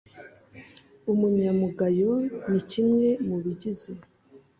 ubunyamugayo ni kimwe mu bigize